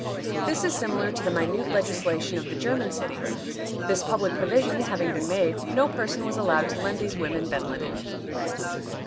This is similar to the minute legislation of the German cities. This public provision having been made, no person was allowed to lend these women bed linen.